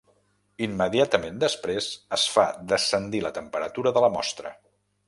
Immediatament després es fa descendir la temperatura de la mostra.